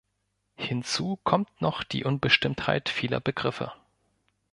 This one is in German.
Hinzu kommt noch die Unbestimmtheit vieler Begriffe.